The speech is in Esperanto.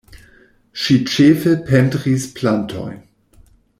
Ŝi ĉefe pentris plantojn.